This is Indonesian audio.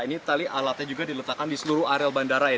ini tadi alatnya juga diletakkan di seluruh areal bandara ya